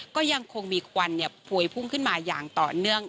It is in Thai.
ก็ยังคงมีควันพวยพุ่งขึ้นมาอย่างต่อเนื่อง